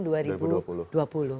di dua ribu dua puluh